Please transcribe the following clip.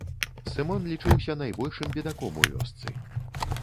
Сымон лічыўся найбольшым бедаком у вёсцы.